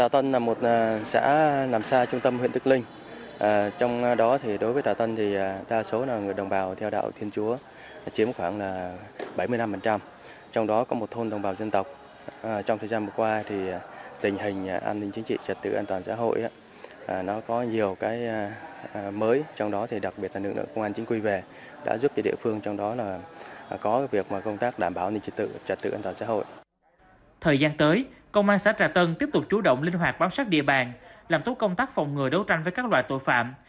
thời gian tới công an xã trà tân tiếp tục chủ động linh hoạt bám sát địa bàn làm tốt công tác phòng ngừa đấu tranh với các loại tội phạm